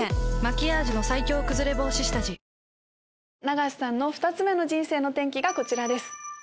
永瀬さんの２つ目の人生の転機がこちらです。